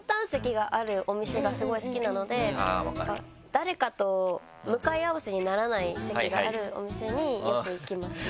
誰かと向かい合わせにならない席があるお店によく行きますね。